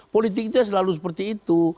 politik itu selalu seperti itu